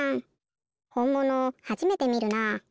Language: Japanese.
ほんものはじめてみるなあ。